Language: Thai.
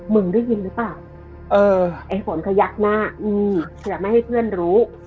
ได้ยินหรือเปล่าเออไอ้ฝนขยักหน้าอืมเผื่อไม่ให้เพื่อนรู้